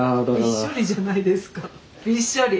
びっしょりじゃないですかびっしょり。